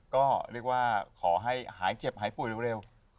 ก็เรียกว่าขอให้หายเจ็บหายป่วยเร็ว